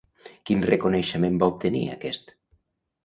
Quin reconeixement va obtenir aquest?